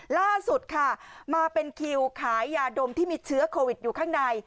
ล่าสุดค่ะมาเป็นคิวขายยาดมที่มีเชื้อโควิดอยู่ข้างใน